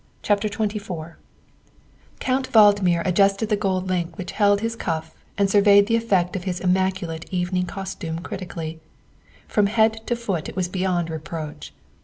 232 THE WIFE OF XXIV COUNT VALDMIR adjusted the gold link which held his cuff and surveyed the effect of his immaculate evening costume critically. From head to foot it was beyond reproach.